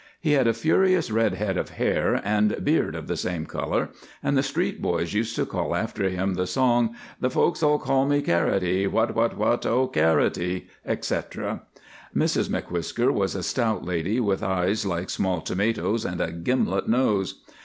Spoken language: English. He had a furious red head of hair and beard of the same colour, and the street boys used to call after him the song, "The folks all call me, Carroty, What, what, what, oh! Carroty," etc. Mrs M'Whisker was a stout lady with eyes like small tomatoes and a gimlet nose.